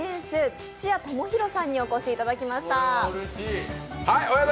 土屋禎大さんにお越しいただきました。